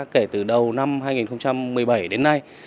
kể từ đầu năm hai nghìn một mươi bảy đến nay